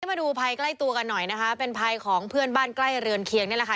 มาดูภัยใกล้ตัวกันหน่อยนะคะเป็นภัยของเพื่อนบ้านใกล้เรือนเคียงนี่แหละค่ะ